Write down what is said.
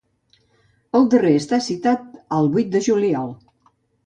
El darrer està citat per al vuit de juliol.